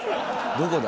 どこだ？